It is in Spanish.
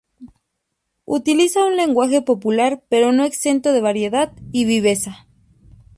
Utiliza un lenguaje popular pero no exento de variedad y viveza.